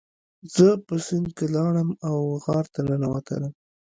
زه په سیند کې لاړم او غار ته ننوتلم.